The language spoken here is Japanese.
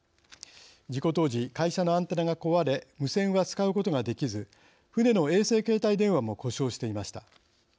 事故当時会社のアンテナが壊れ無線は使うことができず船の衛星携帯電話も故障していました。